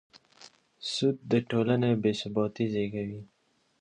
سود د ټولنې بېثباتي زېږوي.